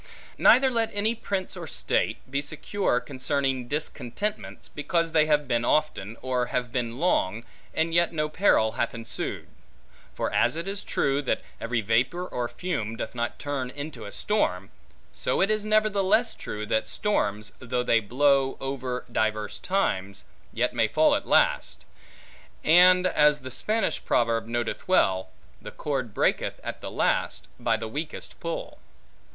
Neither let any prince, or state, be secure concerning discontentments, because they have been often, or have been long, and yet no peril hath ensued: for as it is true, that every vapor or fume doth not turn into a storm; so it is nevertheless true, that storms, though they blow over divers times, yet may fall at last; and, as the Spanish proverb noteth well, The cord breaketh at the last by the weakest pull.